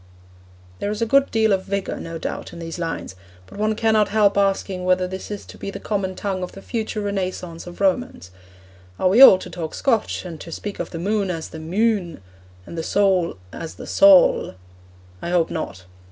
There is a good deal of vigour, no doubt, in these lines; but one cannot help asking whether this is to be the common tongue of the future Renaissance of Romance. Are we all to talk Scotch, and to speak of the moon as the 'mune,' and the soul as the 'saul'? I hope not.